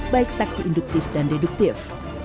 baik saksi induktif dan deduktif